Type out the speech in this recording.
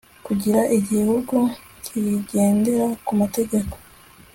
kugira igihugu kigendera ku mategeko